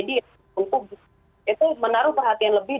itu menaruh perhatian lebih